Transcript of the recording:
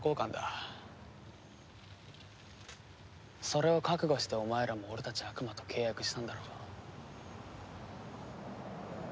それを覚悟してお前らも俺たち悪魔と契約したんだろ？